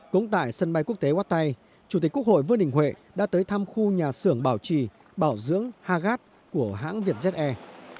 cũng tại sân bay quốc tế quát tây chủ tịch quốc hội vương đình huệ đã tới thăm khu nhà xưởng bảo trì bảo dưỡng ha gắt của hãng việt jet air